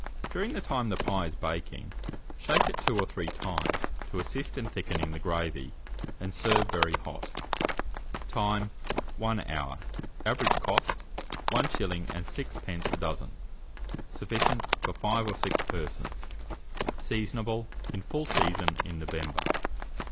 During the time the pie is baking, shake it 2 or 3 times, to assist in thickening the gravy, and serve very hot. Time. 1 hour. Average cost, 1s. 6d. a dozen. Sufficient for 5 or 6 persons. Seasonable. In full season in November.